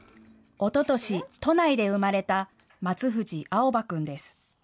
おととし、都内で生まれた松藤蒼波君です。